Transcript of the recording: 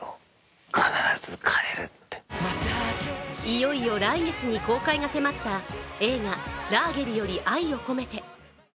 いよいよ、来月に公開が迫った映画「ラーゲリより愛を込めて」。